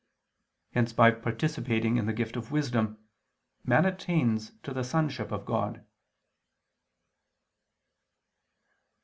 Hence by participating in the gift of wisdom, man attains to the sonship of God.